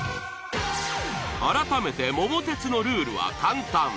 改めて桃鉄のルールは簡単。